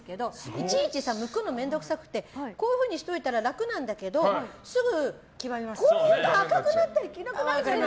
いちいちむくの面倒くさくてこういうふうにしておいたら楽なんだけどすぐ、赤くなったりする。